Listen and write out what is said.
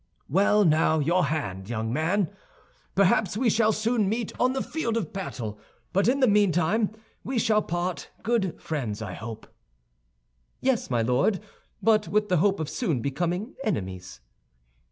"Well, now, your hand, young man. Perhaps we shall soon meet on the field of battle; but in the meantime we shall part good friends, I hope." "Yes, my Lord; but with the hope of soon becoming enemies."